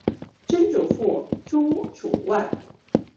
曾祖父朱楚望。